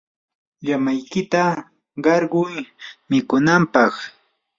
llamaykita qarquy mikunanpaq.